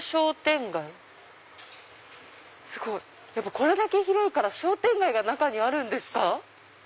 これだけ広いから商店街が中にあるんですか。